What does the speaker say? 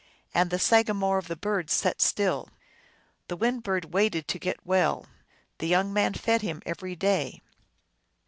And the sagamore of the birds sat still ; the Wind Bird waited to get well ; the young man fed him every day.